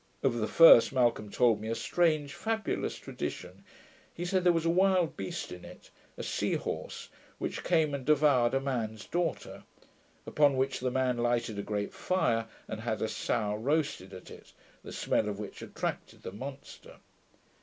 Of the first, Malcolm told me a strange fabulous tradition. He said, there was a wild beast in it, a sea horse, which came and devoured a man's daughter; upon which the man lighted a great fire, and had a sow roasted at it, the smell of which attracted the monster.